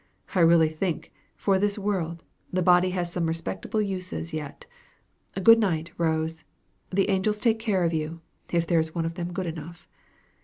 I really think, for this world, the body has some respectable uses yet. Good night, Rose. The angels take care of you, if there is one of them good enough."